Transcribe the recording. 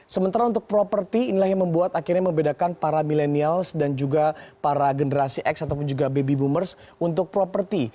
sementara untuk properti inilah yang membuat akhirnya membedakan para millennials dan juga para generasi x ataupun juga baby boomers untuk properti